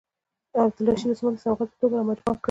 عبدالرشید عثمان د سوغات په توګه مجموعه راکړه.